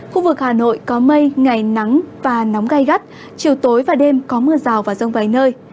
khu vực hà nội có mây ngày nắng và nóng gai gắt chiều tối và đêm có mưa rào và rông vài nơi